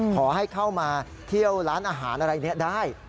ขอให้เข้ามาเที่ยวร้านอาหารอะไรนี้ได้